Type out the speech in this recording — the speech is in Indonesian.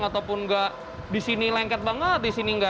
ataupun nggak disini lengket banget disini nggak